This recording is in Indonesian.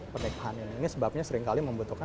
penikahannya ini sebabnya seringkali membutuhkan